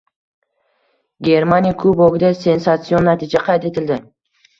Germaniya Kubogida sensatsion natija qayd etildi